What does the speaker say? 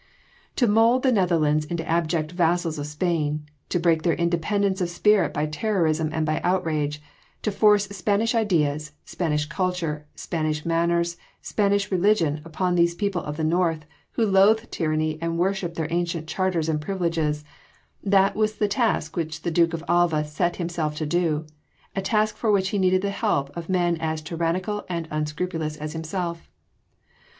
To mould the Netherlands into abject vassals of Spain, to break their independence of spirit by terrorism and by outrage, to force Spanish ideas, Spanish culture, Spanish manners, Spanish religion upon these people of the North who loathed tyranny and worshipped their ancient charters and privileges, that was the task which the Duke of Alva set himself to do a task for which he needed the help of men as tyrannical and unscrupulous as himself.